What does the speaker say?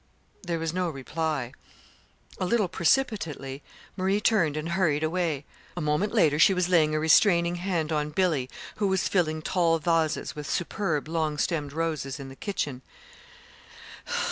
There was no reply. A little precipitately Marie turned and hurried away. A moment later she was laying a restraining hand on Billy, who was filling tall vases with superb long stemmed roses in the kitchen.